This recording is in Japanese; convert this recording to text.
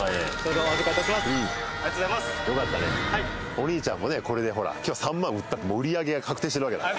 お兄ちゃんもねこれで今日３万売ったって売り上げが確定してるわけだから。